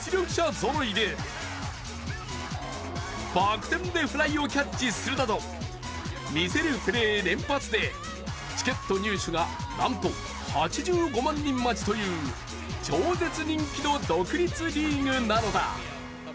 ぞろいでバク転でフライをキャッチするなど、見せるプレー連発でチケット入手がなんと８５万人待ちという超絶人気の独立リーグなのだ。